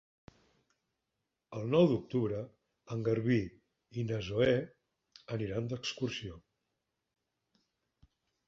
El nou d'octubre en Garbí i na Zoè aniran d'excursió.